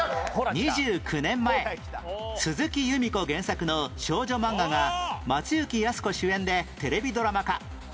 ２９年前鈴木由美子原作の少女マンガが松雪泰子主演でテレビドラマ化